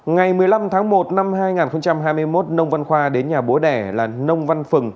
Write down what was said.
ngày một mươi năm tháng một năm hai nghìn hai mươi một nông văn khoa đến nhà bố đẻ là nông văn phừng